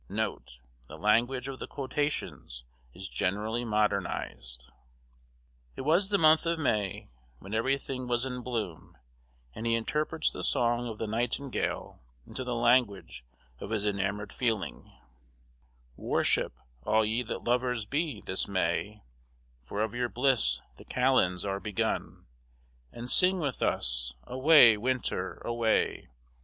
NOTE The language of the quotations is generally modernized. It was the month of May, when every thing was in bloom, and he interprets the song of the nightingale into the language of his enamoured feeling: Worship, all ye that lovers be, this May; For of your bliss the kalends are begun, And sing with us, Away, winter, away.